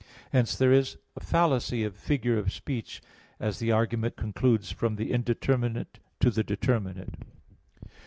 Hence there is a fallacy of "figure of speech" as the argument concludes from the indeterminate to the determinate.